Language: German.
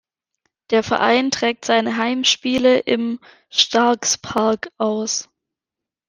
Der Verein trägt seine Heimspiele im Stark’s Park aus.